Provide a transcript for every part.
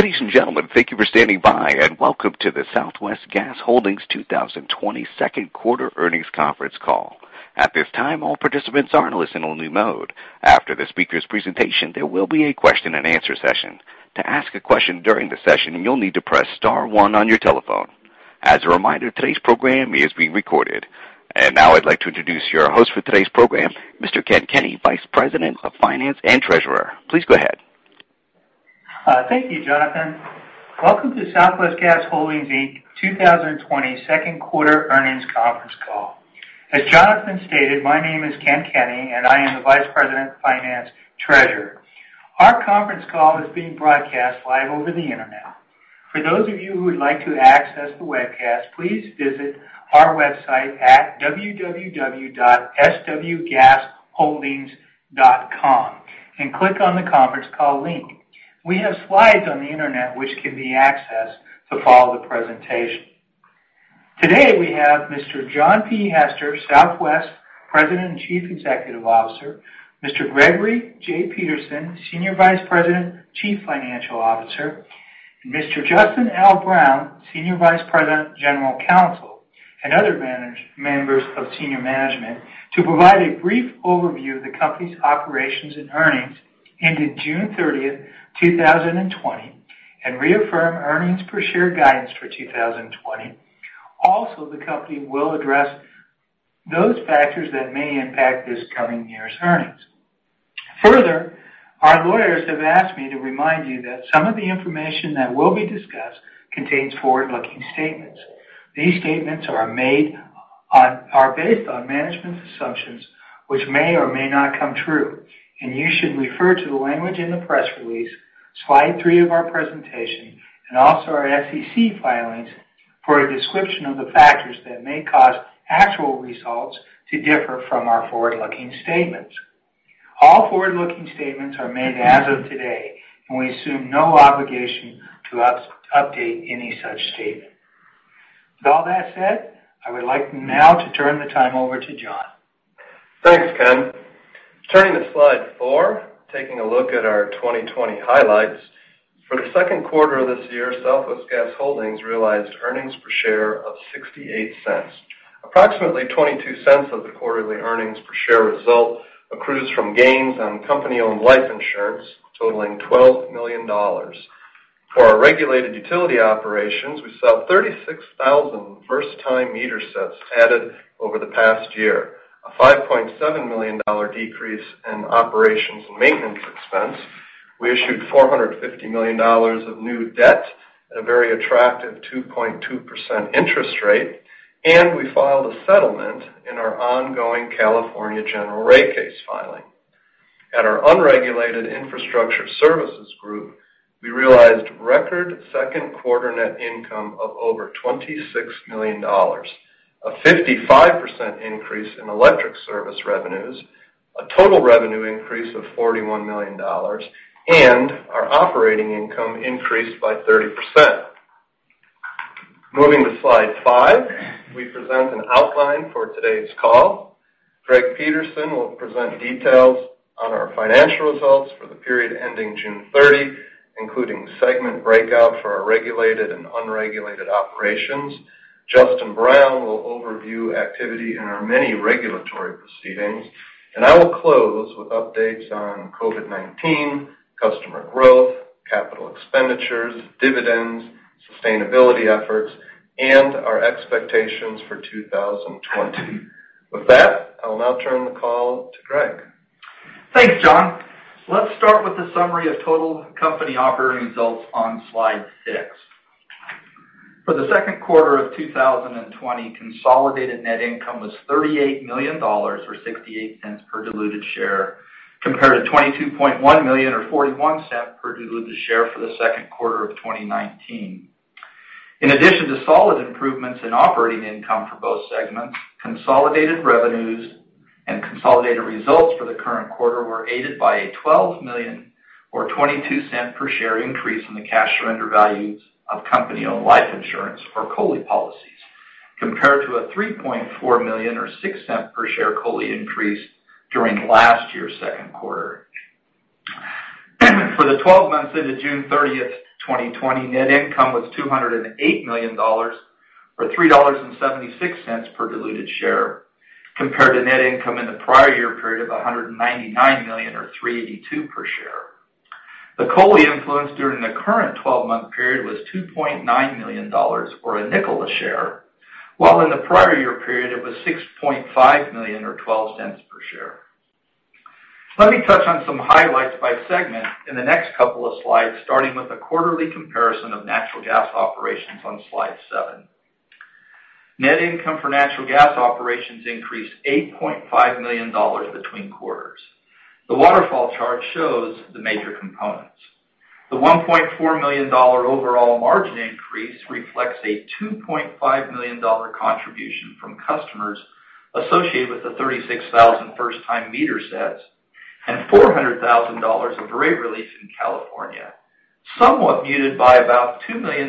Ladies and gentlemen, thank you for standing by, and welcome to the Southwest Gas Holdings 2020 Q2 earnings conference call. At this time, all participants are in a listen-only mode. After the speaker's presentation, there will be a question-and-answer session. To ask a question during the session, you'll need to press star one on your telephone. As a reminder, today's program is being recorded. Now I'd like to introduce your host for today's program, Mr. Kenneth Kenny, Vice President of Finance and Treasurer. Please go ahead. Thank you, Jonathan. Welcome to Southwest Gas Holdings 2020 Q2 earnings conference call. As Jonathan stated, my name is Kenneth Kenny, and I am the Vice President of Finance, Treasurer. Our conference call is being broadcast live over the internet. For those of you who would like to access the webcast, please visit our website at www.swgasholdings.com and click on the conference call link. We have slides on the internet which can be accessed to follow the presentation. Today we have Mr. John P. Hester, Southwest President and Chief Executive Officer, Mr. Gregory J. Peterson, Senior Vice President, Chief Financial Officer, and Mr. Justin L. Brown, Senior Vice President, General Counsel, and other members of senior management to provide a brief overview of the company's operations and earnings ended June 30, 2020, and reaffirm earnings per share guidance for 2020. Also, the company will address those factors that may impact this coming year's earnings. Further, our lawyers have asked me to remind you that some of the information that will be discussed contains forward-looking statements. These statements are based on management's assumptions which may or may not come true, and you should refer to the language in the press release, slide three of our presentation, and also our SEC filings for a description of the factors that may cause actual results to differ from our forward-looking statements. All forward-looking statements are made as of today, and we assume no obligation to update any such statement. With all that said, I would like now to turn the time over to John. Thanks, Ken. Turning to slide four, taking a look at our 2020 highlights. For the Q2 of this year, Southwest Gas Holdings realized earnings per share of $0.68. Approximately $0.22 of the quarterly earnings per share result accrues from gains on company-owned life insurance totaling $12 million. For our regulated utility operations, we saw 36,000 first-time meter sets added over the past year, a $5.7 million decrease in operations and maintenance expense. We issued $450 million of new debt at a very attractive 2.2% interest rate, and we filed a settlement in our ongoing California General Rate case filing. At our unregulated infrastructure services group, we realized record Q2 net income of over $26 million, a 55% increase in electric service revenues, a total revenue increase of $41 million, and our operating income increased by 30%. Moving to slide five, we present an outline for today's call. Greg Peterson will present details on our financial results for the period ending June 30, including segment breakout for our regulated and unregulated operations. Justin Brown will overview activity in our many regulatory proceedings, and I will close with updates on COVID-19, customer growth, capital expenditures, dividends, sustainability efforts, and our expectations for 2020. With that, I'll now turn the call to Greg. Thanks, John. Let's start with the summary of total company operating results on slide six. For the Q2 of 2020, consolidated net income was $38 million or $0.68 per diluted share, compared to $22.1 million or $0.41 per diluted share for the Q2 of 2019. In addition to solid improvements in operating income for both segments, consolidated revenues and consolidated results for the current quarter were aided by a $12 million or $0.22 per share increase in the cash surrender values of company-owned life insurance or COLI policies, compared to a $3.4 million or $0.06 per share COLI increase during last year's Q2. For the 12 months ended June 30, 2020, net income was $208 million or $3.76 per diluted share, compared to net income in the prior year period of $199 million or $3.82 per share. The COLI influence during the current 12-month period was $2.9 million or $0.05 a share, while in the prior year period it was $6.5 million or $0.12 per share. Let me touch on some highlights by segment in the next couple of slides, starting with the quarterly comparison of natural gas operations on slide seven. Net income for natural gas operations increased $8.5 million between quarters. The waterfall chart shows the major components. The $1.4 million overall margin increase reflects a $2.5 million contribution from customers associated with the 36,000 first-time meter sets and $400,000 of rate relief in California, somewhat muted by about $2 million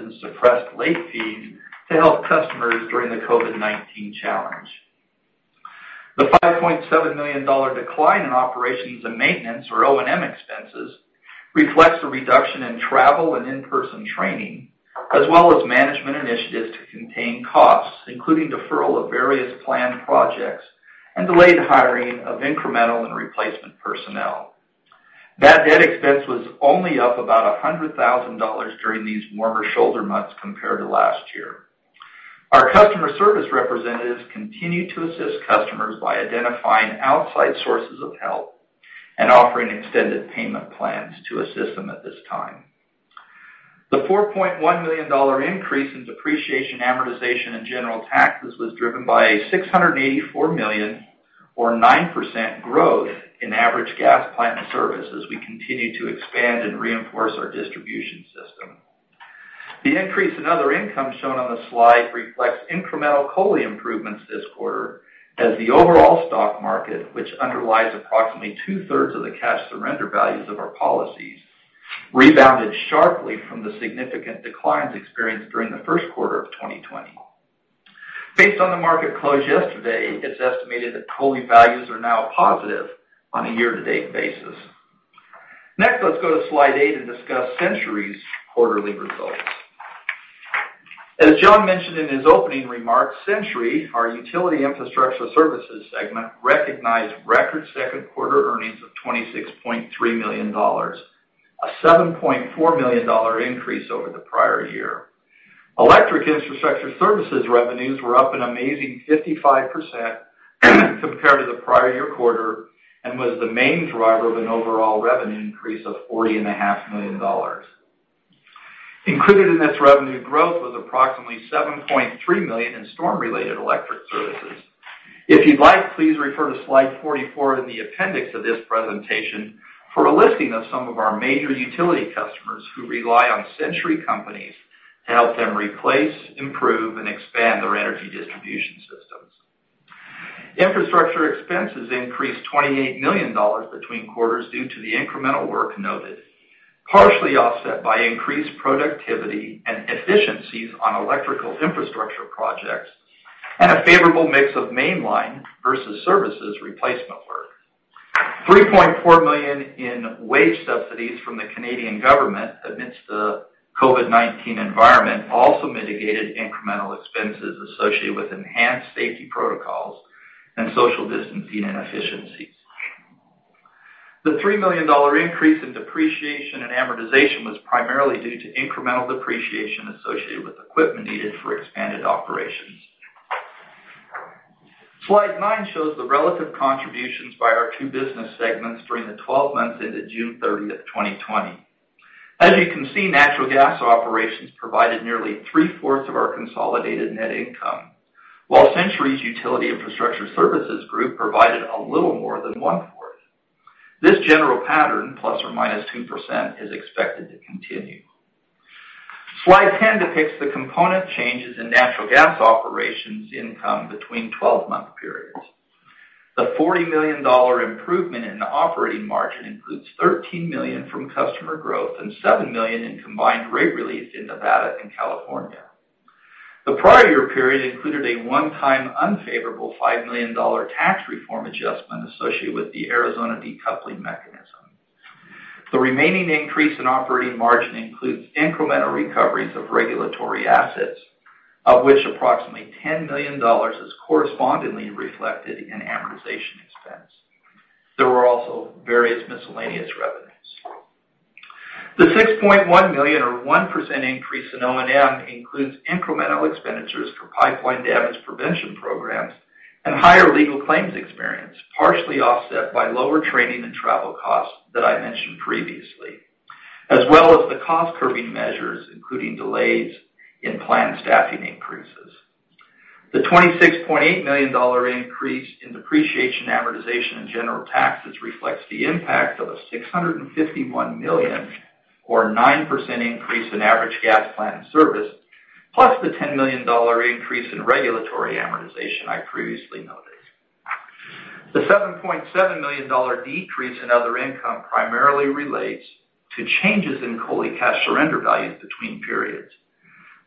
in suppressed late fees to help customers during the COVID-19 challenge. The $5.7 million decline in operations and maintenance, or O&M expenses, reflects a reduction in travel and in-person training, as well as management initiatives to contain costs, including deferral of various planned projects and delayed hiring of incremental and replacement personnel. That debt expense was only up about $100,000 during these warmer shoulder months compared to last year. Our customer service representatives continue to assist customers by identifying outside sources of help and offering extended payment plans to assist them at this time. The $4.1 million increase in depreciation, amortization, and general taxes was driven by a $684 million or 9% growth in average gas plant service as we continue to expand and reinforce our distribution system. The increase in other income shown on the slide reflects incremental COLI improvements this quarter, as the overall stock market, which underlies approximately two-thirds of the cash surrender values of our policies, rebounded sharply from the significant declines experienced during the Q1 of 2020. Based on the market close yesterday, it's estimated that COLI values are now positive on a year-to-date basis. Next, let's go to slide eight and discuss Centuri's quarterly results. As John mentioned in his opening remarks, Centuri, our utility infrastructure services segment, recognized record Q2 earnings of $26.3 million, a $7.4 million increase over the prior year. Electric infrastructure services revenues were up an amazing 55% compared to the prior year quarter and was the main driver of an overall revenue increase of $40.5 million. Included in this revenue growth was approximately $7.3 million in storm-related electric services. If you'd like, please refer to slide 44 in the appendix of this presentation for a listing of some of our major utility customers who rely on Centuri companies to help them replace, improve, and expand their energy distribution systems. Infrastructure expenses increased $28 million between quarters due to the incremental work noted, partially offset by increased productivity and efficiencies on electrical infrastructure projects and a favorable mix of mainline versus services replacement work. $3.4 million in wage subsidies from the Canadian government amidst the COVID-19 environment also mitigated incremental expenses associated with enhanced safety protocols and social distancing and efficiencies. The $3 million increase in depreciation and amortization was primarily due to incremental depreciation associated with equipment needed for expanded operations. Slide nine shows the relative contributions by our two business segments during the 12 months ended June 30, 2020. As you can see, natural gas operations provided nearly three-fourths of our consolidated net income, while Centuri's utility infrastructure services group provided a little more than one-fourth. This general pattern, plus or minus 2%, is expected to continue. Slide 10 depicts the component changes in natural gas operations income between 12-month periods. The $40 million improvement in operating margin includes $13 million from customer growth and $7 million in combined rate relief in Nevada and California. The prior year period included a one-time unfavorable $5 million tax reform adjustment associated with the Arizona decoupling mechanism. The remaining increase in operating margin includes incremental recoveries of regulatory assets, of which approximately $10 million is correspondingly reflected in amortization expense. There were also various miscellaneous revenues. The $6.1 million or 1% increase in O&M includes incremental expenditures for pipeline damage prevention programs and higher legal claims experience, partially offset by lower training and travel costs that I mentioned previously, as well as the cost-curbing measures, including delays in planned staffing increases. The $26.8 million increase in depreciation, amortization, and general taxes reflects the impact of a $651 million or 9% increase in average gas plant service, plus the $10 million increase in regulatory amortization I previously noted. The $7.7 million decrease in other income primarily relates to changes in COLI cash surrender values between periods.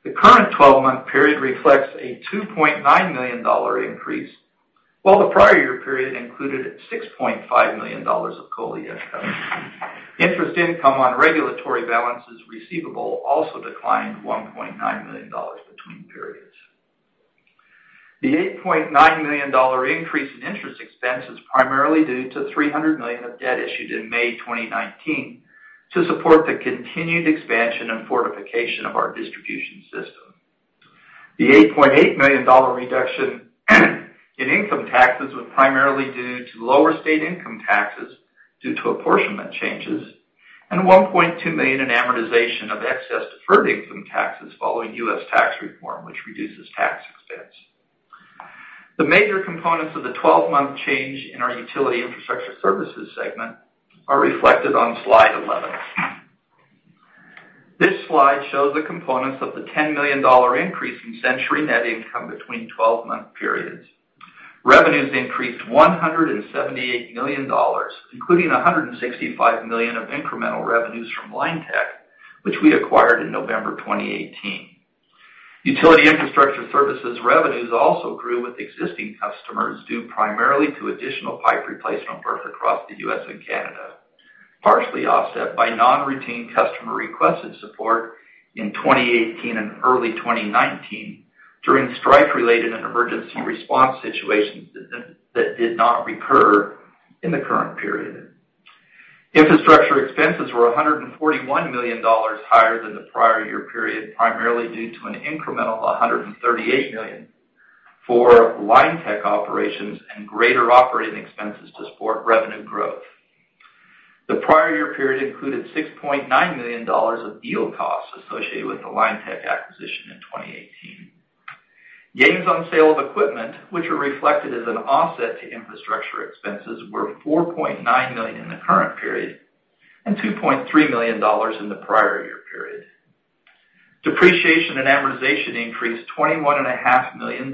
The current 12-month period reflects a $2.9 million increase, while the prior year period included $6.5 million of COLI income. Interest income on regulatory balances receivable also declined $1.9 million between periods. The $8.9 million increase in interest expense is primarily due to $300 million of debt issued in May 2019 to support the continued expansion and fortification of our distribution system. The $8.8 million reduction in income taxes was primarily due to lower state income taxes due to apportionment changes and $1.2 million in amortization of excess deferred income taxes following U.S. tax reform, which reduces tax expense. The major components of the 12-month change in our utility infrastructure services segment are reflected on slide 11. This slide shows the components of the $10 million increase in Centuri net income between 12-month periods. Revenues increased $178 million, including $165 million of incremental revenues from Linetec Services, which we acquired in November 2018. Utility infrastructure services revenues also grew with existing customers due primarily to additional pipe replacement work across the U.S. and Canada, partially offset by non-routine customer requested support in 2018 and early 2019 during strike-related and emergency response situations that did not recur in the current period. Infrastructure expenses were $141 million higher than the prior year period, primarily due to an incremental $138 million for Linetec operations and greater operating expenses to support revenue growth. The prior year period included $6.9 million of deal costs associated with the Linetec acquisition in 2018. Gains on sale of equipment, which are reflected as an offset to infrastructure expenses, were $4.9 million in the current period and $2.3 million in the prior year period. Depreciation and amortization increased $21.5 million,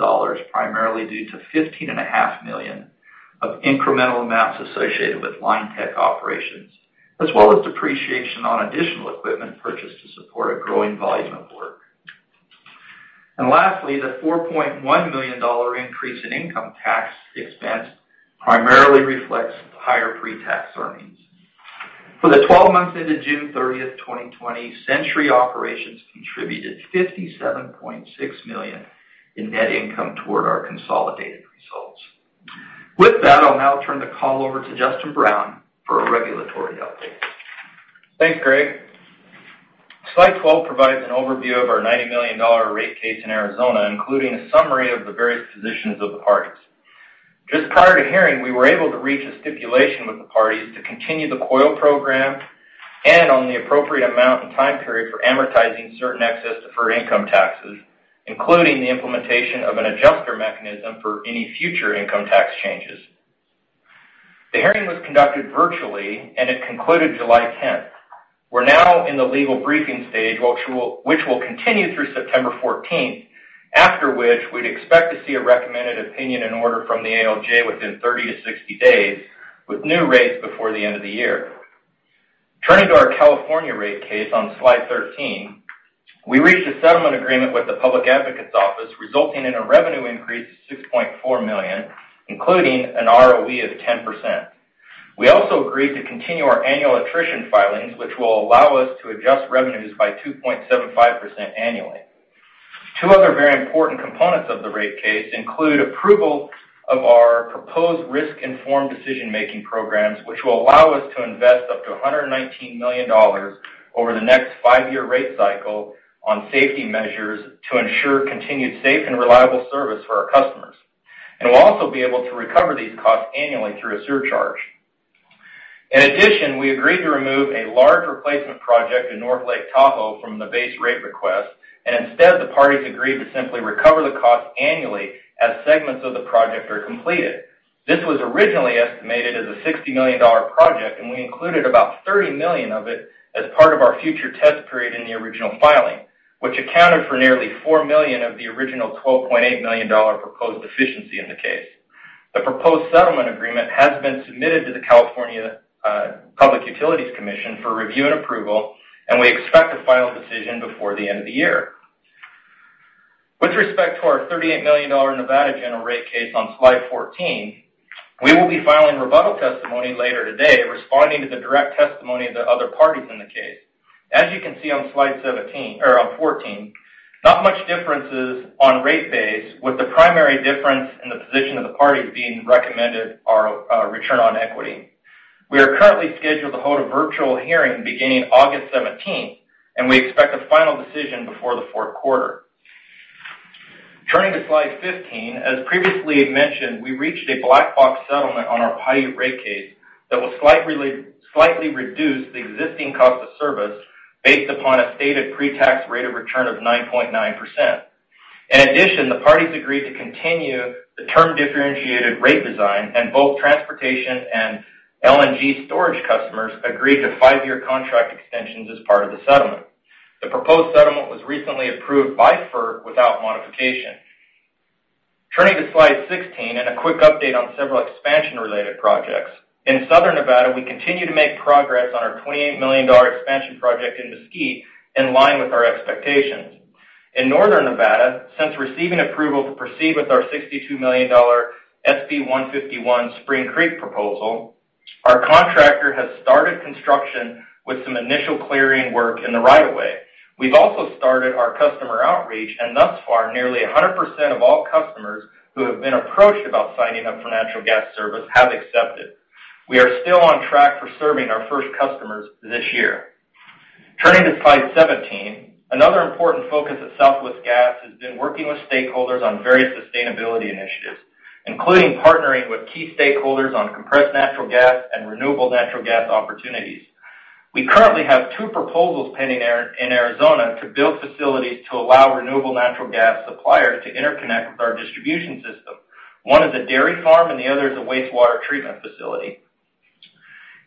primarily due to $15.5 million of incremental amounts associated with Linetec operations, as well as depreciation on additional equipment purchased to support a growing volume of work. Lastly, the $4.1 million increase in income tax expense primarily reflects higher pre-tax earnings. For the 12 months ended June 30, 2020, Centuri operations contributed $57.6 million in net income toward our consolidated results. With that, I'll now turn the call over to Justin Brown for a regulatory update. Thanks, Greg. Slide 12 provides an overview of our $90 million rate case in Arizona, including a summary of the various positions of the parties. Just prior to hearing, we were able to reach a stipulation with the parties to continue the COLI program and on the appropriate amount and time period for amortizing certain excess deferred income taxes, including the implementation of an adjuster mechanism for any future income tax changes. The hearing was conducted virtually, and it concluded July 10th. We're now in the legal briefing stage, which will continue through September 14th, after which we'd expect to see a recommended opinion in order from the ALJ within 30-60 days, with new rates before the end of the year. Turning to our California rate case on slide 13, we reached a settlement agreement with the Public Advocate's Office, resulting in a revenue increase of $6.4 million, including an ROE of 10%. We also agreed to continue our annual attrition filings, which will allow us to adjust revenues by 2.75% annually. Two other very important components of the rate case include approval of our proposed risk-informed decision-making programs, which will allow us to invest up to $119 million over the next five-year rate cycle on safety measures to ensure continued safe and reliable service for our customers, and we will also be able to recover these costs annually through a surcharge. In addition, we agreed to remove a large replacement project in North Lake Tahoe from the base rate request, and instead, the parties agreed to simply recover the costs annually as segments of the project are completed. This was originally estimated as a $60 million project, and we included about $30 million of it as part of our future test period in the original filing, which accounted for nearly $4 million of the original $12.8 million proposed efficiency in the case. The proposed settlement agreement has been submitted to the California Public Utilities Commission for review and approval, and we expect a final decision before the end of the year. With respect to our $38 million Nevada general rate case on slide 14, we will be filing rebuttal testimony later today, responding to the direct testimony of the other parties in the case. As you can see on slide 17 or on 14, not much difference is on rate base, with the primary difference in the position of the parties being recommended our return on equity. We are currently scheduled to hold a virtual hearing beginning August 17th, and we expect a final decision before the Q4. Turning to slide 15, as previously mentioned, we reached a black box settlement on our Paiute rate case that will slightly reduce the existing cost of service based upon a stated pre-tax rate of return of 9.9%. In addition, the parties agreed to continue the term-differentiated rate design, and both transportation and LNG storage customers agreed to five-year contract extensions as part of the settlement. The proposed settlement was recently approved by FERC without modification. Turning to slide 16 and a quick update on several expansion-related projects. In Southern Nevada, we continue to make progress on our $28 million expansion project in Mesquite, in line with our expectations. In Northern Nevada, since receiving approval to proceed with our $62 million SB 151 Spring Creek proposal, our contractor has started construction with some initial clearing work in the right-of-way. We've also started our customer outreach, and thus far, nearly 100% of all customers who have been approached about signing up for natural gas service have accepted. We are still on track for serving our first customers this year. Turning to slide 17, another important focus at Southwest Gas has been working with stakeholders on various sustainability initiatives, including partnering with key stakeholders on compressed natural gas and renewable natural gas opportunities. We currently have two proposals pending in Arizona to build facilities to allow renewable natural gas suppliers to interconnect with our distribution system. One is a dairy farm, and the other is a wastewater treatment facility.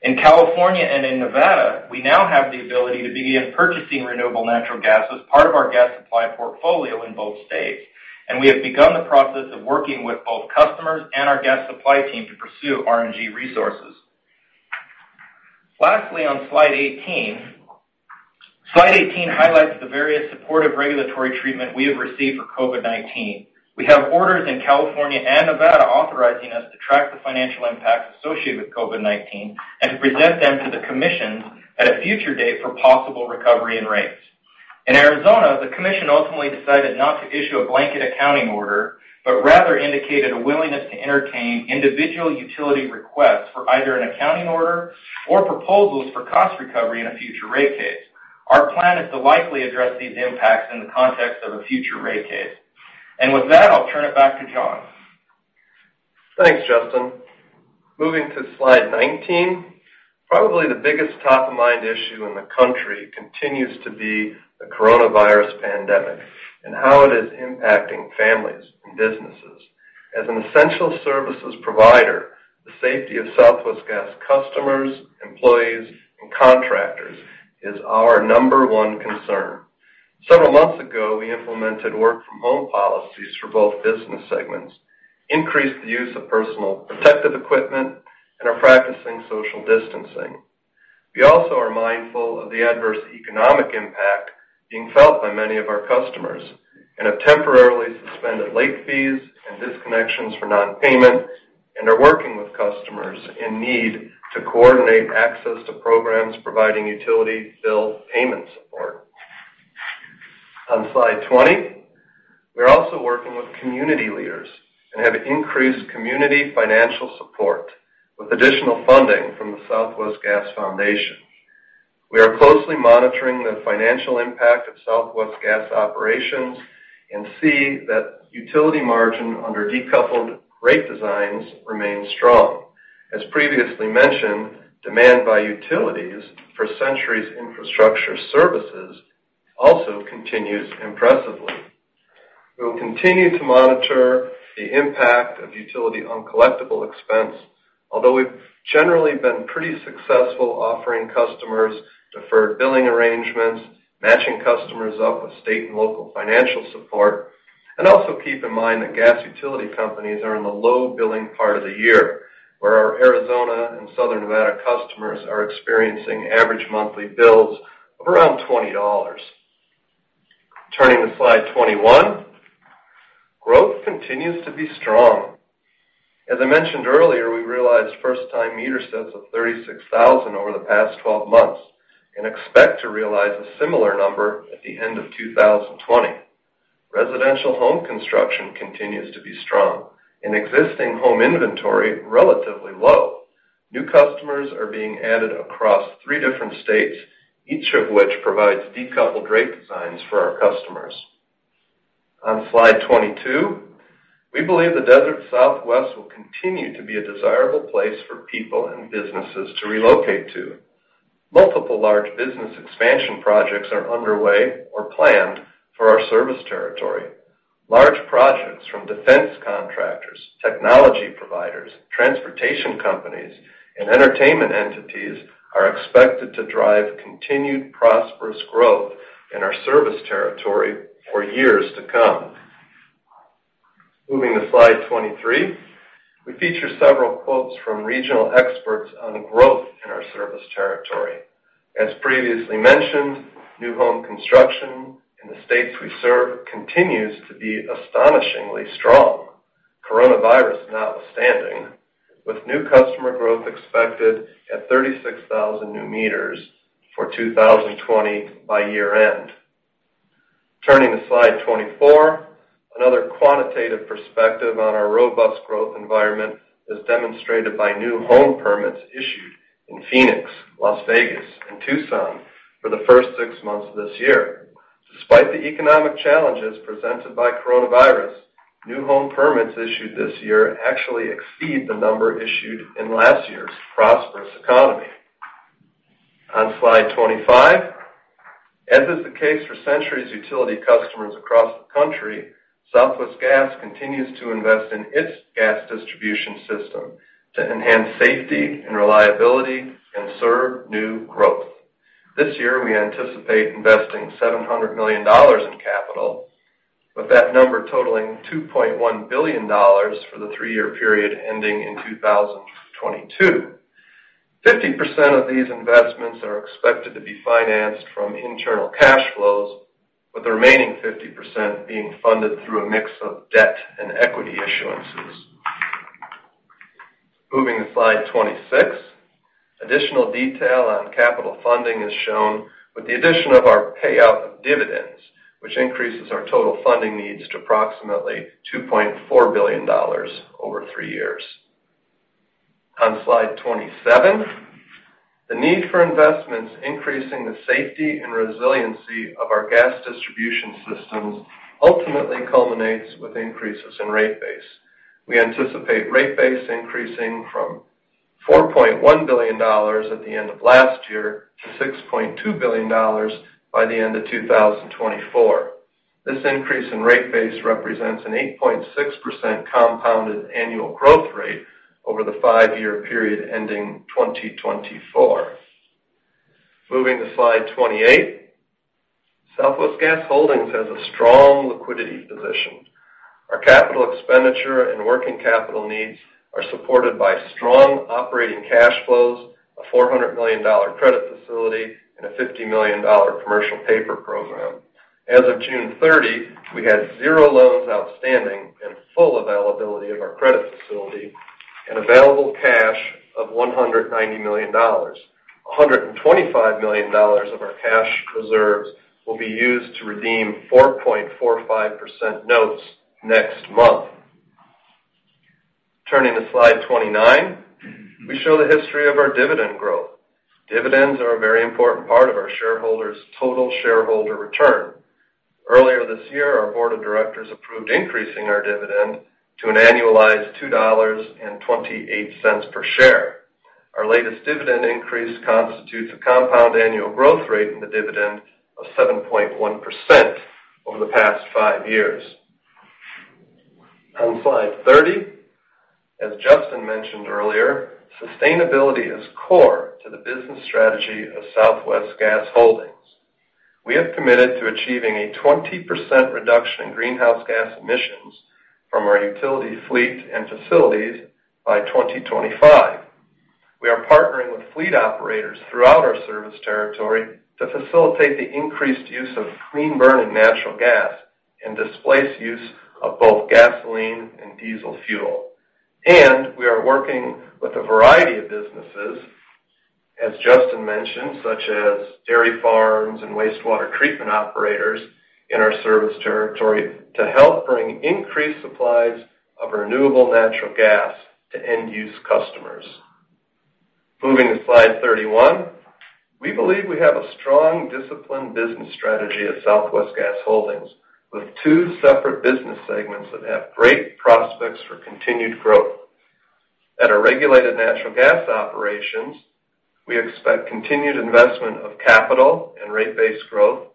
In California and in Nevada, we now have the ability to begin purchasing renewable natural gas as part of our gas supply portfolio in both states, and we have begun the process of working with both customers and our gas supply team to pursue RNG resources. Lastly, on slide 18, slide 18 highlights the various supportive regulatory treatment we have received for COVID-19. We have orders in California and Nevada authorizing us to track the financial impacts associated with COVID-19 and to present them to the commissions at a future date for possible recovery in rates. In Arizona, the commission ultimately decided not to issue a blanket accounting order, but rather indicated a willingness to entertain individual utility requests for either an accounting order or proposals for cost recovery in a future rate case. Our plan is to likely address these impacts in the context of a future rate case. With that, I'll turn it back to John. Thanks, Justin. Moving to slide 19, probably the biggest top-of-mind issue in the country continues to be the coronavirus pandemic and how it is impacting families and businesses. As an essential services provider, the safety of Southwest Gas customers, employees, and contractors is our number one concern. Several months ago, we implemented work-from-home policies for both business segments, increased the use of personal protective equipment, and are practicing social distancing. We also are mindful of the adverse economic impact being felt by many of our customers and have temporarily suspended late fees and disconnections for non-payment, and are working with customers in need to coordinate access to programs providing utility bill payment support. On slide 20, we are also working with community leaders and have increased community financial support with additional funding from the Southwest Gas Foundation. We are closely monitoring the financial impact of Southwest Gas operations and see that utility margin under decoupled rate designs remains strong. As previously mentioned, demand by utilities for Centuri's infrastructure services also continues impressively. We will continue to monitor the impact of utility uncollectible expense, although we've generally been pretty successful offering customers deferred billing arrangements, matching customers up with state and local financial support, and also keep in mind that gas utility companies are in the low billing part of the year, where our Arizona and Southern Nevada customers are experiencing average monthly bills of around $20. Turning to slide 21, growth continues to be strong. As I mentioned earlier, we realized first-time meter sets of 36,000 over the past 12 months and expect to realize a similar number at the end of 2020. Residential home construction continues to be strong. In existing home inventory, relatively low. New customers are being added across three different states, each of which provides decoupled rate designs for our customers. On slide 22, we believe the desert Southwest will continue to be a desirable place for people and businesses to relocate to. Multiple large business expansion projects are underway or planned for our service territory. Large projects from defense contractors, technology providers, transportation companies, and entertainment entities are expected to drive continued prosperous growth in our service territory for years to come. Moving to slide 23, we feature several quotes from regional experts on growth in our service territory. As previously mentioned, new home construction in the states we serve continues to be astonishingly strong, coronavirus notwithstanding, with new customer growth expected at 36,000 new meters for 2020 by year-end. Turning to slide 24, another quantitative perspective on our robust growth environment is demonstrated by new home permits issued in Phoenix, Las Vegas, and Tucson for the first six months of this year. Despite the economic challenges presented by coronavirus, new home permits issued this year actually exceed the number issued in last year's prosperous economy. On slide 25, as is the case for Centuri's utility customers across the country, Southwest Gas continues to invest in its gas distribution system to enhance safety and reliability and serve new growth. This year, we anticipate investing $700 million in capital, with that number totaling $2.1 billion for the three-year period ending in 2022. 50% of these investments are expected to be financed from internal cash flows, with the remaining 50% being funded through a mix of debt and equity issuances. Moving to slide 26, additional detail on capital funding is shown with the addition of our payout of dividends, which increases our total funding needs to approximately $2.4 billion over three years. On slide 27, the need for investments increasing the safety and resiliency of our gas distribution systems ultimately culminates with increases in rate base. We anticipate rate base increasing from $4.1 billion at the end of last year to $6.2 billion by the end of 2024. This increase in rate base represents an 8.6% compounded annual growth rate over the five-year period ending 2024. Moving to slide 28, Southwest Gas Holdings has a strong liquidity position. Our capital expenditure and working capital needs are supported by strong operating cash flows, a $400 million credit facility, and a $50 million commercial paper program. As of June 30, we had zero loans outstanding and full availability of our credit facility and available cash of $190 million. $125 million of our cash reserves will be used to redeem 4.45% notes next month. Turning to slide 29, we show the history of our dividend growth. Dividends are a very important part of our shareholders' total shareholder return. Earlier this year, our board of directors approved increasing our dividend to an annualized $2.28 per share. Our latest dividend increase constitutes a compound annual growth rate in the dividend of 7.1% over the past five years. On slide 30, as Justin mentioned earlier, sustainability is core to the business strategy of Southwest Gas Holdings. We have committed to achieving a 20% reduction in greenhouse gas emissions from our utility fleet and facilities by 2025. We are partnering with fleet operators throughout our service territory to facilitate the increased use of clean burning natural gas and displace use of both gasoline and diesel fuel. We are working with a variety of businesses, as Justin mentioned, such as dairy farms and wastewater treatment operators in our service territory to help bring increased supplies of renewable natural gas to end-use customers. Moving to slide 31, we believe we have a strong, disciplined business strategy at Southwest Gas Holdings with two separate business segments that have great prospects for continued growth. At our regulated natural gas operations, we expect continued investment of capital and rate base growth,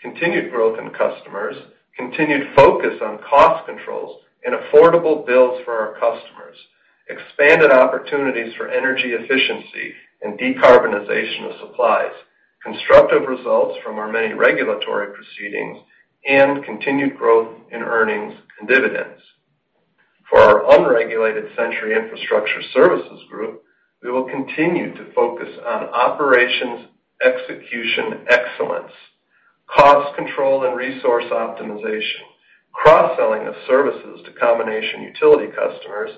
continued growth in customers, continued focus on cost controls and affordable bills for our customers, expanded opportunities for energy efficiency and decarbonization of supplies, constructive results from our many regulatory proceedings, and continued growth in earnings and dividends. For our unregulated Centuri Infrastructure Services Group, we will continue to focus on operations execution excellence, cost control and resource optimization, cross-selling of services to combination utility customers,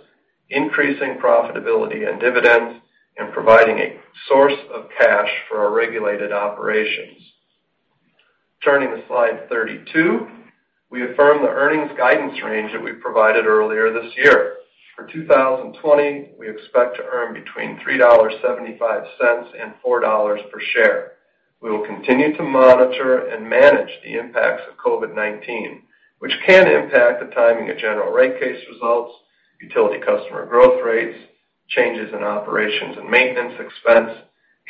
increasing profitability and dividends, and providing a source of cash for our regulated operations. Turning to slide 32, we affirm the earnings guidance range that we provided earlier this year. For 2020, we expect to earn between $3.75 and $4 per share. We will continue to monitor and manage the impacts of COVID-19, which can impact the timing of general rate case results, utility customer growth rates, changes in operations and maintenance expense,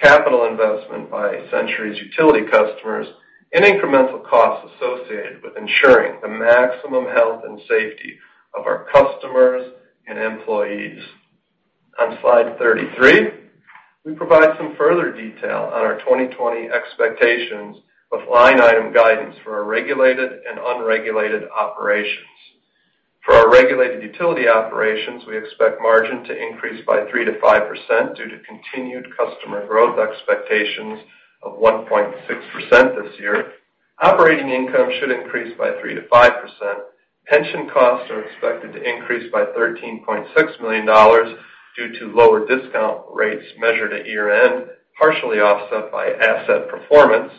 capital investment by Centuri's utility customers, and incremental costs associated with ensuring the maximum health and safety of our customers and employees. On slide 33, we provide some further detail on our 2020 expectations with line item guidance for our regulated and unregulated operations. For our regulated utility operations, we expect margin to increase by 3%-5% due to continued customer growth expectations of 1.6% this year. Operating income should increase by 3%-5%. Pension costs are expected to increase by $13.6 million due to lower discount rates measured at year-end, partially offset by asset performance.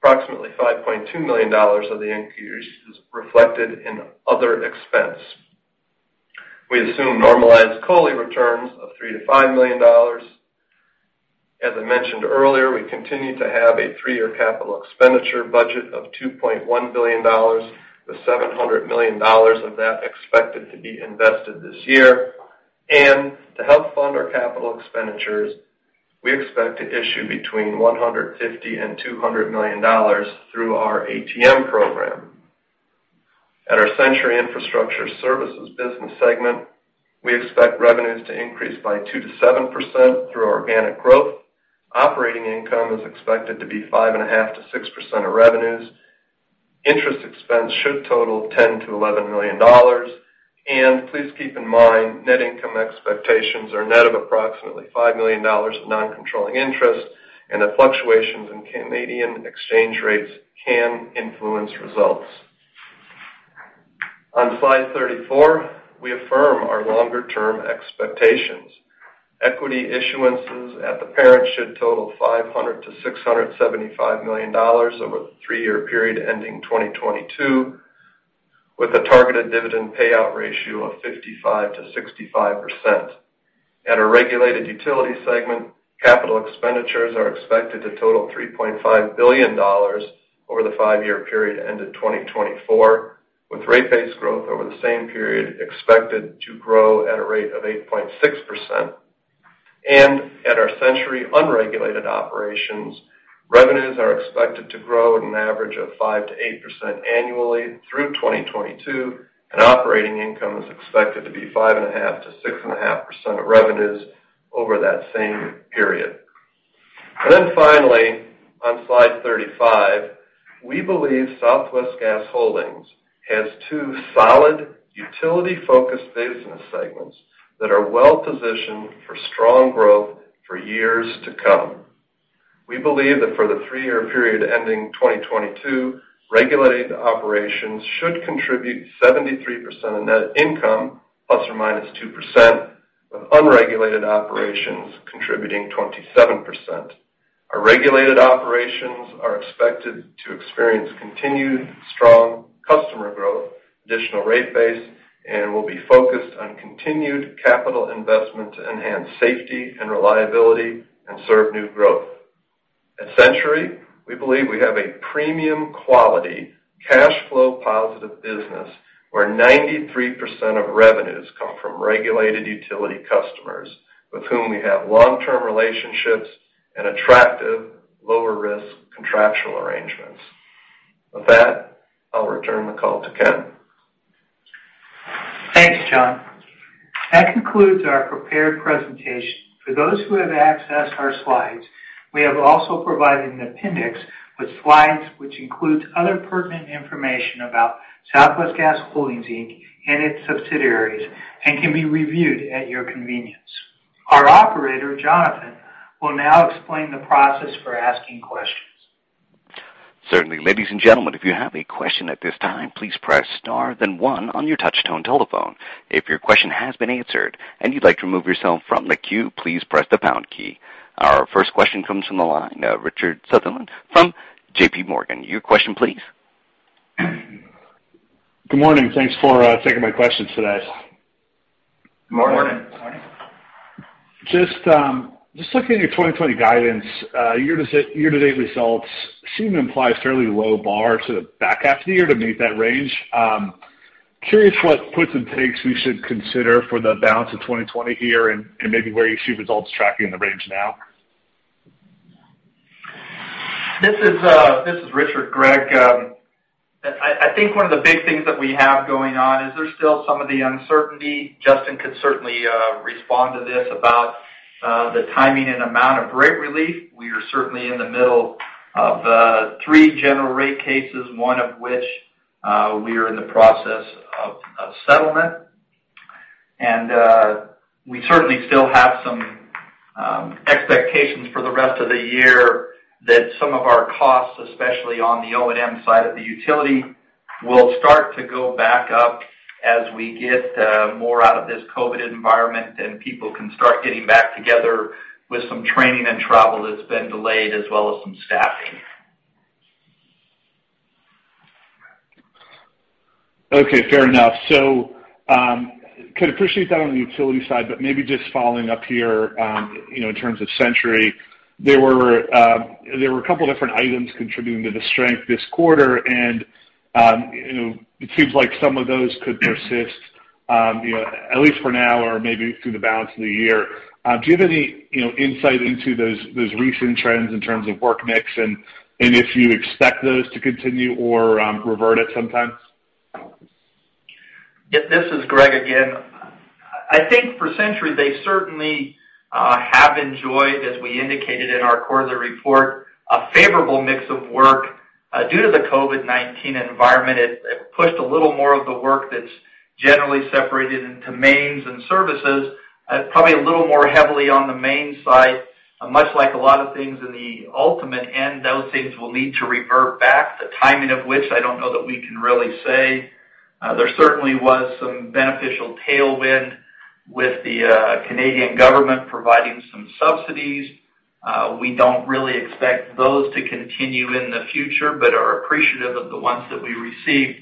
Approximately $5.2 million of the increase is reflected in other expense. We assume normalized COLI returns of $3 million-$5 million. As I mentioned earlier, we continue to have a three-year capital expenditure budget of $2.1 billion, with $700 million of that expected to be invested this year. To help fund our capital expenditures, we expect to issue between $150 million-$200 million through our ATM program. At our Centuri Infrastructure Services business segment, we expect revenues to increase by 2%-7% through organic growth. Operating income is expected to be 5.5%-6% of revenues. Interest expense should total $10 million-$11 million. Please keep in mind, net income expectations are net of approximately $5 million of non-controlling interest, and the fluctuations in Canadian exchange rates can influence results. On slide 34, we affirm our longer-term expectations. Equity issuances at the parent should total $500 million-$675 million over the three-year period ending 2022, with a targeted dividend payout ratio of 55%-65%. At our regulated utility segment, capital expenditures are expected to total $3.5 billion over the five-year period ended 2024, with rate-based growth over the same period expected to grow at a rate of 8.6%. At our Centuri unregulated operations, revenues are expected to grow at an average of 5%-8% annually through 2022, and operating income is expected to be 5.5%-6.5% of revenues over that same period. Finally, on slide 35, we believe Southwest Gas Holdings has two solid utility-focused business segments that are well-positioned for strong growth for years to come. We believe that for the three-year period ending 2022, regulated operations should contribute 73% of net income, ±2%, with unregulated operations contributing 27%. Our regulated operations are expected to experience continued strong customer growth, additional rate base, and will be focused on continued capital investment to enhance safety and reliability and serve new growth. At Centuri, we believe we have a premium quality cash flow positive business where 93% of revenues come from regulated utility customers, with whom we have long-term relationships and attractive lower-risk contractual arrangements. With that, I'll return the call to Ken. Thanks, John. That concludes our prepared presentation. For those who have accessed our slides, we have also provided an appendix with slides which include other pertinent information about Southwest Gas Holdings and its subsidiaries and can be reviewed at your convenience. Our operator, Jonathan, will now explain the process for asking questions. Certainly. Ladies and gentlemen, if you have a question at this time, please press star then one on your touchstone telephone. If your question has been answered and you'd like to remove yourself from the queue, please press the pound key. Our first question comes from the line of Richard Sunderland from JPMorgan. Your question, please. Good morning. Thanks for taking my questions today. Good morning. Good morning. Good morning. Just looking at your 2020 guidance, year-to-date results seem to imply a fairly low bar to the back half of the year to meet that range. Curious what puts and takes we should consider for the balance of 2020 here and maybe where you see results tracking in the range now. This is Greg, I think one of the big things that we have going on is there's still some of the uncertainty. Justin could certainly respond to this about the timing and amount of rate relief. We are certainly in the middle of three general rate cases, one of which we are in the process of settlement. We certainly still have some expectations for the rest of the year that some of our costs, especially on the O&M side of the utility, will start to go back up as we get more out of this COVID environment and people can start getting back together with some training and travel that's been delayed as well as some staffing. Okay. Fair enough. I could appreciate that on the utility side, but maybe just following up here in terms of Centuri, there were a couple of different items contributing to the strength this quarter, and it seems like some of those could persist, at least for now or maybe through the balance of the year. Do you have any insight into those recent trends in terms of work mix and if you expect those to continue or revert at some time? This is Greg again. I think for Centuri, they certainly have enjoyed, as we indicated in our quarterly report, a favorable mix of work. Due to the COVID-19 environment, it pushed a little more of the work that's generally separated into mains and services, probably a little more heavily on the main side, much like a lot of things in the ultimate end. Those things will need to revert back. The timing of which, I don't know that we can really say. There certainly was some beneficial tailwind with the Canadian government providing some subsidies. We don't really expect those to continue in the future, but are appreciative of the ones that we received.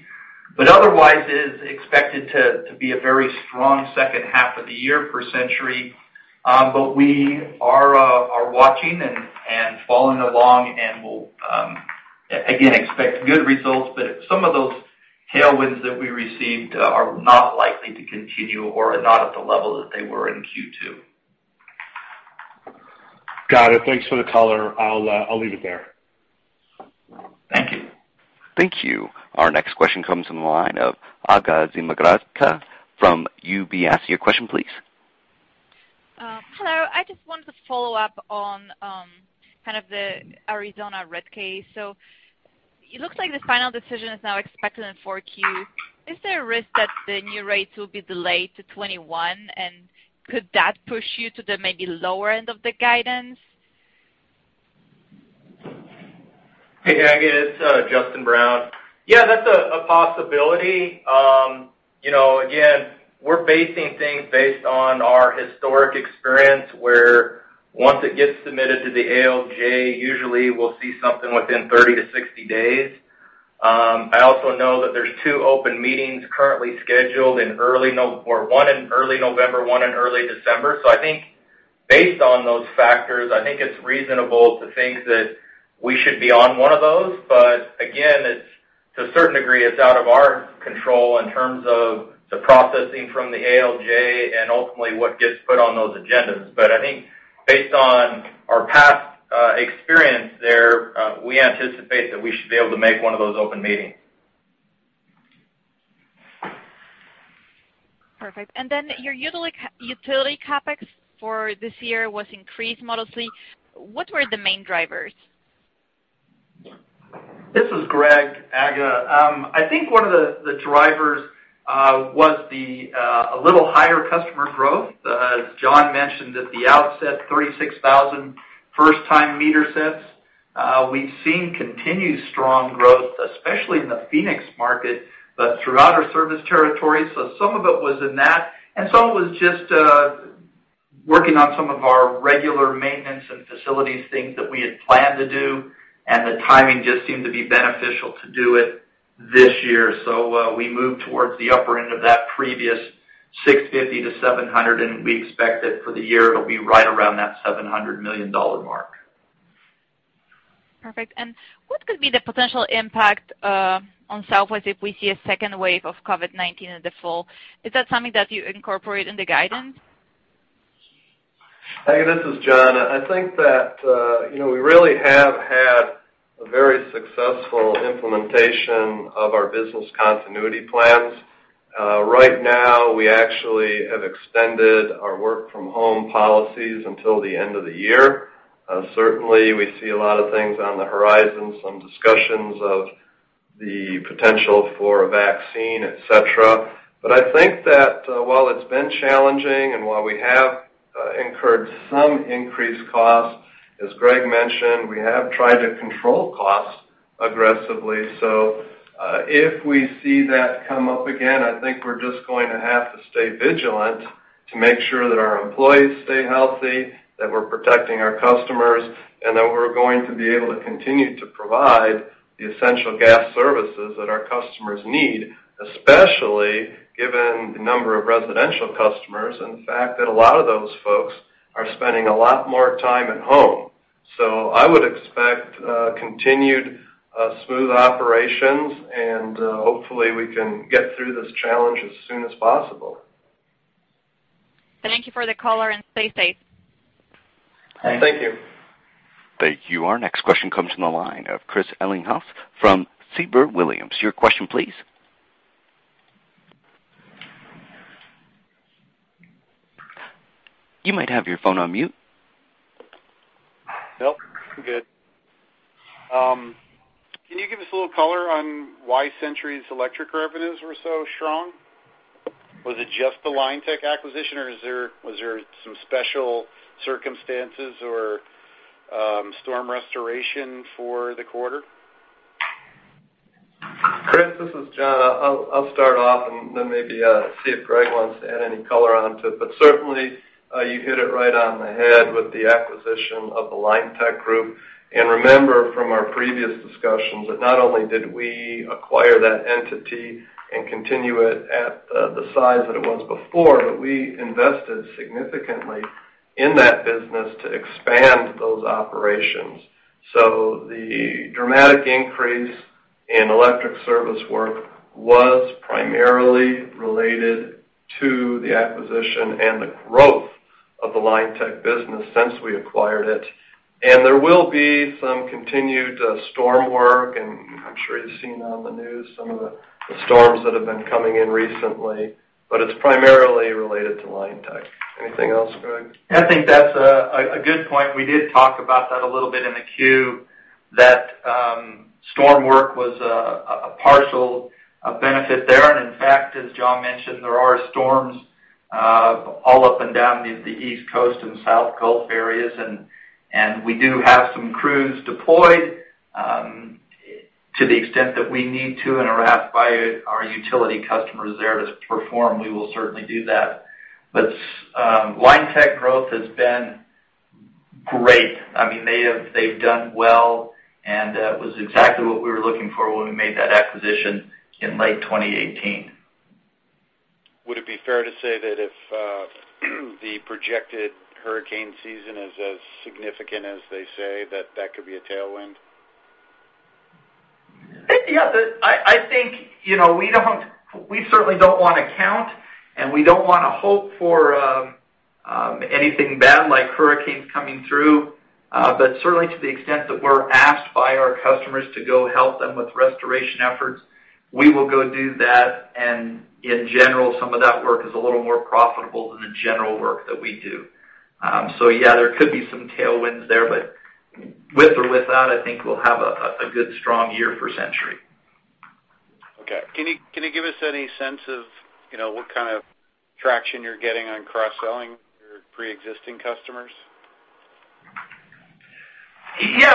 Otherwise, it is expected to be a very strong second half of the year for Centuri. We are watching and following along and will, again, expect good results. Some of those tailwinds that we received are not likely to continue or are not at the level that they were in Q2. Got it. Thanks for the color. I'll leave it there. Thank you. Thank you. Our next question comes from the line of Aga Zmigrodzka from UBS. Your question, please. Hello. I just wanted to follow up on kind of the Arizona rate case. It looks like the final decision is now expected in Q4. Is there a risk that the new rates will be delayed to 2021, and could that push you to the maybe lower end of the guidance? Hey, Aga. It's Justin Brown. Yeah, that's a possibility. Again, we're basing things based on our historic experience where once it gets submitted to the ALJ, usually we'll see something within 30 to 60 days. I also know that there's two open meetings currently scheduled, one in early November, one in early December. I think based on those factors, I think it's reasonable to think that we should be on one of those. Again, to a certain degree, it's out of our control in terms of the processing from the ALJ and ultimately what gets put on those agendas. I think based on our past experience there, we anticipate that we should be able to make one of those open meetings. Perfect. Then your utility CapEx for this year was increased modestly. What were the main drivers? This is Greg, Aga. I think one of the drivers was a little higher customer growth. As John mentioned, at the outset, 36,000 first-time meter sets. We've seen continued strong growth, especially in the Phoenix market, but throughout our service territory. Some of it was in that, and some of it was just working on some of our regular maintenance and facilities things that we had planned to do. The timing just seemed to be beneficial to do it this year. We moved towards the upper end of that previous $650 million-$700 million, and we expect that for the year, it'll be right around that $700 million mark. Perfect. What could be the potential impact on Southwest if we see a second wave of COVID-19 in the fall? Is that something that you incorporate in the guidance? This is John. I think that we really have had a very successful implementation of our business continuity plans. Right now, we actually have extended our work-from-home policies until the end of the year. Certainly, we see a lot of things on the horizon, some discussions of the potential for a vaccine, etc. I think that while it's been challenging and while we have incurred some increased costs, as Greg mentioned, we have tried to control costs aggressively. If we see that come up again, I think we're just going to have to stay vigilant to make sure that our employees stay healthy, that we're protecting our customers, and that we're going to be able to continue to provide the essential gas services that our customers need, especially given the number of residential customers and the fact that a lot of those folks are spending a lot more time at home. I would expect continued smooth operations, and hopefully, we can get through this challenge as soon as possible. Thank you for the color and stay safe. Thank you. Thank you. Our next question comes from the line of Christopher Ellinghaus from Siebert Williams. Your question, please. You might have your phone on mute. Nope. I'm good. Can you give us a little color on why Centuri's electric revenues were so strong? Was it just the Linetec acquisition, or was there some special circumstances or storm restoration for the quarter? Chris, this is John. I'll start off and then maybe see if Greg wants to add any color onto it. Certainly, you hit it right on the head with the acquisition of the Linetec Group. Remember from our previous discussions that not only did we acquire that entity and continue it at the size that it was before, but we invested significantly in that business to expand those operations. The dramatic increase in electric service work was primarily related to the acquisition and the growth of the Linetec Services business since we acquired it. There will be some continued storm work, and I'm sure you've seen on the news some of the storms that have been coming in recently. It is primarily related to Linetec Services. Anything else, Greg? I think that's a good point. We did talk about that a little bit in the queue, that storm work was a partial benefit there. In fact, as John mentioned, there are storms all up and down the East Coast and South Gulf areas, and we do have some crews deployed to the extent that we need to and are asked by our utility customers there to perform. We will certainly do that. Linetec Services growth has been great. I mean, they've done well, and it was exactly what we were looking for when we made that acquisition in late 2018. Would it be fair to say that if the projected hurricane season is as significant as they say, that that could be a tailwind? Yeah. I think we certainly don't want to count, and we don't want to hope for anything bad like hurricanes coming through. Certainly, to the extent that we're asked by our customers to go help them with restoration efforts, we will go do that. In general, some of that work is a little more profitable than the general work that we do. Yeah, there could be some tailwinds there. With or without, I think we'll have a good strong year for Centuri. Okay. Can you give us any sense of what kind of traction you're getting on cross-selling your pre-existing customers? Yeah.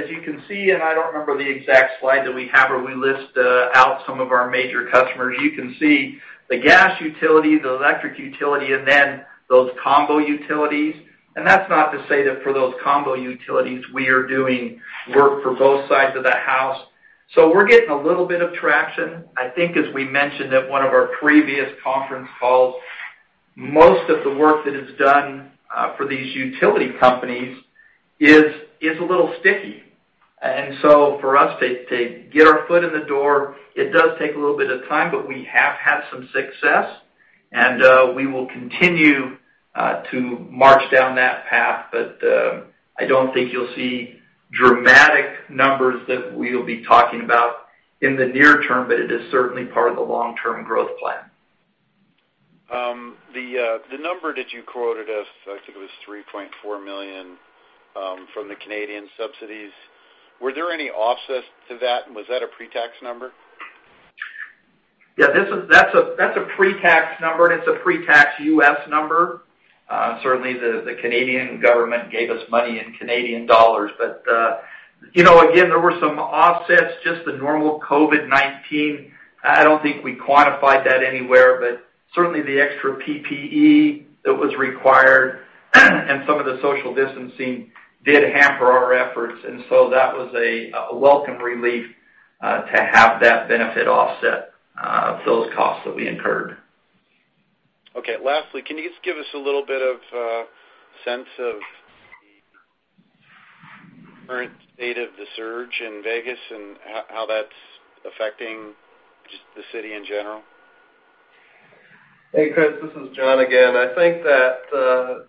As you can see, and I don't remember the exact slide that we have where we list out some of our major customers, you can see the gas utility, the electric utility, and then those combo utilities. That's not to say that for those combo utilities, we are doing work for both sides of the house. We're getting a little bit of traction. I think, as we mentioned at one of our previous conference calls, most of the work that is done for these utility companies is a little sticky. For us to get our foot in the door, it does take a little bit of time, but we have had some success, and we will continue to march down that path. I do not think you'll see dramatic numbers that we'll be talking about in the near term, but it is certainly part of the long-term growth plan. The number that you quoted us, I think it was $3.4 million from the Canadian subsidies. Were there any offsets to that, and was that a pre-tax number? Yeah. That's a pre-tax number, and it's a pre-tax U.S. number. Certainly, the Canadian government gave us money in Canadian dollars. Again, there were some offsets, just the normal COVID-19. I do not think we quantified that anywhere, but certainly, the extra PPE that was required and some of the social distancing did hamper our efforts. That was a welcome relief to have that benefit offset those costs that we incurred. Okay. Lastly, can you just give us a little bit of sense of the current state of the surge in Vegas and how that's affecting just the city in general? Hey, Chris. This is John again. I think that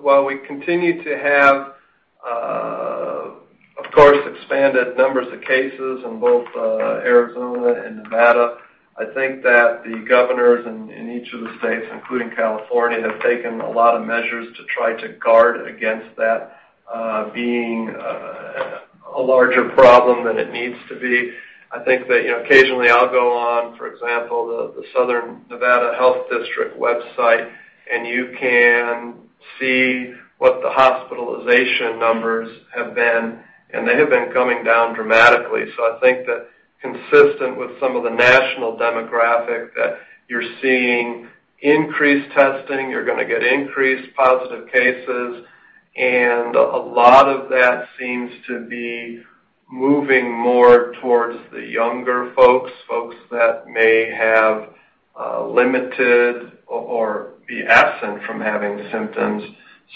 while we continue to have, of course, expanded numbers of cases in both Arizona and Nevada, I think that the governors in each of the states, including California, have taken a lot of measures to try to guard against that being a larger problem than it needs to be. I think that occasionally, I'll go on, for example, the Southern Nevada Health District website, and you can see what the hospitalization numbers have been, and they have been coming down dramatically. I think that consistent with some of the national demographic that you're seeing increased testing, you're going to get increased positive cases, and a lot of that seems to be moving more towards the younger folks, folks that may have limited or be absent from having symptoms.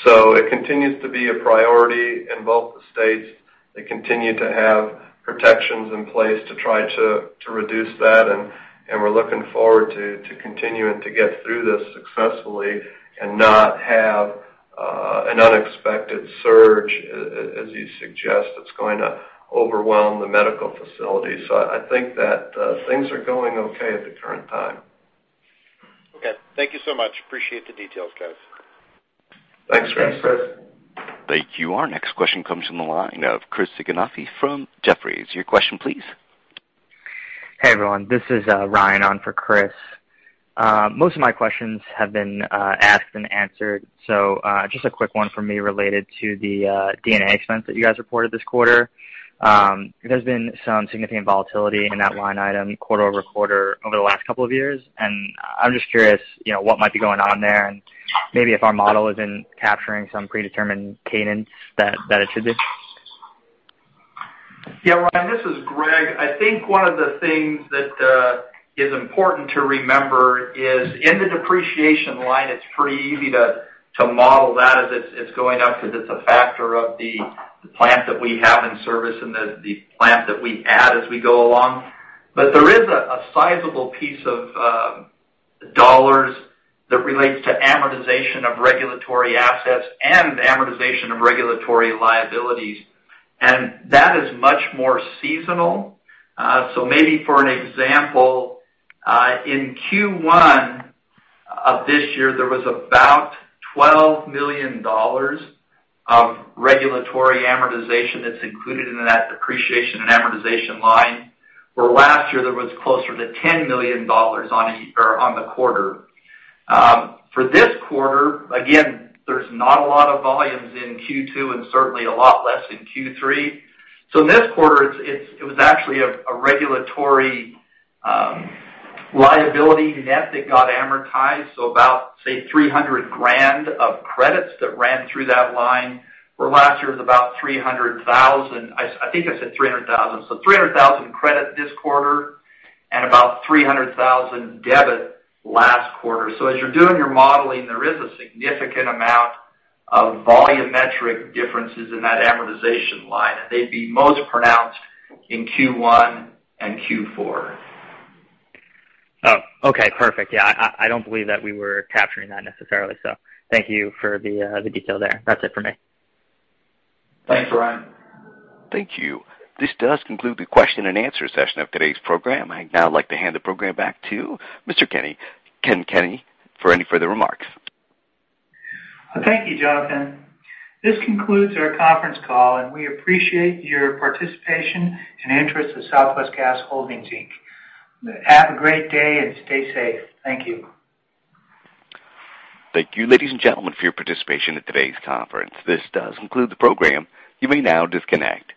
It continues to be a priority in both the states. They continue to have protections in place to try to reduce that, and we're looking forward to continuing to get through this successfully and not have an unexpected surge, as you suggest, that's going to overwhelm the medical facilities. I think that things are going okay at the current time. Okay. Thank you so much. Appreciate the details, guys. Thanks, Chris. Thank you. Our next question comes from the line of Chris Sighinolfi from Jefferies. Your question, please. Hey, everyone. This is Ryan, on for Chris. Most of my questions have been asked and answered. Just a quick one from me related to the D&A expense that you guys reported this quarter. There's been some significant volatility in that line item quarter-over-quarter over the last couple of years, and I'm just curious what might be going on there and maybe if our model isn't capturing some predetermined cadence that it should be. Yeah, Ryan. This is Greg. I think one of the things that is important to remember is in the depreciation line, it's pretty easy to model that as it's going up because it's a factor of the plant that we have in service and the plant that we add as we go along. There is a sizable piece of dollars that relates to amortization of regulatory assets and amortization of regulatory liabilities. That is much more seasonal. Maybe for an example, in Q1 of this year, there was about $12 million of regulatory amortization that's included in that depreciation and amortization line. Where last year, there was closer to $10 million on the quarter. For this quarter, again, there's not a lot of volumes in Q2 and certainly a lot less in Q3. In this quarter, it was actually a regulatory liability net that got amortized. About, say, $300,000 of credits that ran through that line. Where last year, it was about $300,000. I think I said $300,000. So $300,000 credit this quarter and about $300,000 debit last quarter. As you're doing your modeling, there is a significant amount of volumetric differences in that amortization line, and they'd be most pronounced in Q1 and Q4. Oh, okay. Perfect. Yeah. I don't believe that we were capturing that necessarily. Thank you for the detail there. That's it for me. Thanks, Ryan. Thank you. This does conclude the question and answer session of today's program. I'd now like to hand the program back to Mr. Ken Kenny for any further remarks. Thank you, Jonathan. This concludes our conference call, and we appreciate your participation and interest of Southwest Gas Holdings. Have a great day and stay safe. Thank you. Thank you, ladies and gentlemen, for your participation in today's conference. This does conclude the program. You may now disconnect. Good.